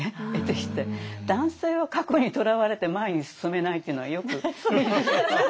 男性は過去にとらわれて前に進めないっていうのはよく。